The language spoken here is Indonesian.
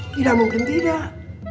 tidak mungkin tidak